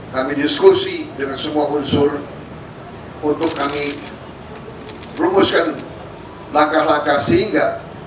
kami diskusi dengan semua unsur untuk kami rumuskan langkah langkah sehingga